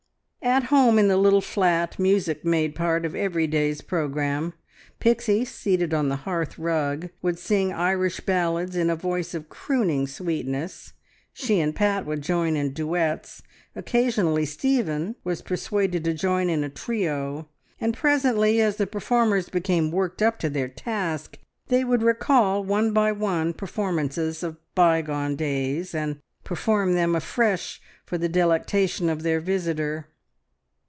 At home in the little flat, music made part of every day's programme. Pixie, seated on the hearthrug, would sing Irish ballads in a voice of crooning sweetness, she and Pat would join in duets, occasionally Stephen was persuaded to join in a trio, and presently, as the performers became "worked up" to their task, they would recall one by one performances of bygone days, and perform them afresh for the delectation of their visitor.